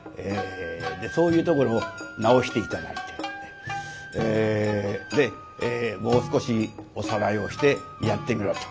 でそういうところを直して頂いて「もう少しおさらいをしてやってみろ」と。